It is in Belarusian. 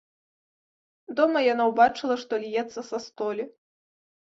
Дома яна ўбачыла, што льецца са столі.